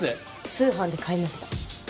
通販で買いました。